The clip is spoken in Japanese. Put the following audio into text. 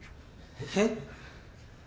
えっ？